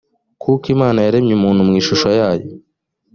kuko imana yaremye umuntu mu ishusho yayo